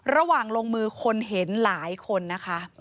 ระหว่างลงมือคนเห็นหลายคนนะคะ